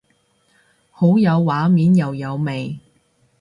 好有畫面又有味